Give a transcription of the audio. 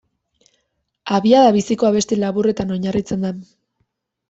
Abiada biziko abesti laburretan oinarritzen da.